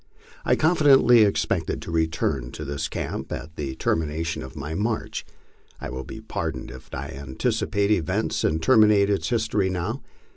I confidently expected to return to this camp at the termination of my march. I will be pardoned if I anticipate events and terminate its history now.